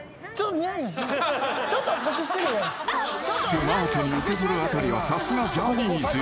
［スマートに受け取るあたりはさすがジャニーズ］